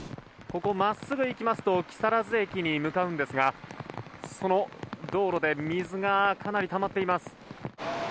ここ、真っすぐ行きますと木更津駅に向かうんですがその道路で水がかなりたまっています。